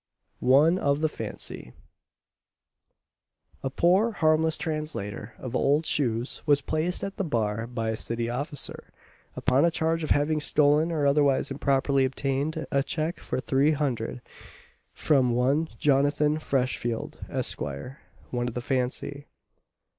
ONE OF THE FANCY. A poor harmless translator of old shoes was placed at the bar by a city officer, upon a charge of having stolen, or otherwise improperly obtained, a cheque for 300_l._ from one Jonathan Freshfield, Esquire, "one of the Fancy."